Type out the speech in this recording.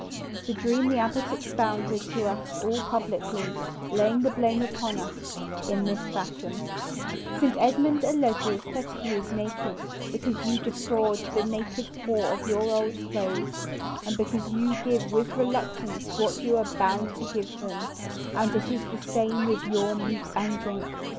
This dream the abbot expounded to us all publicly, laying the blame upon us, in this fashion: "St. Edmund alleges that he is naked, because you defraud the naked poor of your old clothes, and because you give with reluctance what you are bound to give them, and it is the same with your meat and drink.